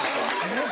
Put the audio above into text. えっ？